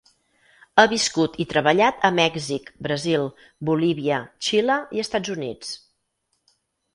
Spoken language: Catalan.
Ha viscut i treballat a Mèxic, Brasil, Bolívia, Xile i Estats Units.